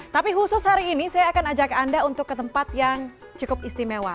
tapi khusus hari ini saya akan ajak anda untuk ke tempat yang cukup istimewa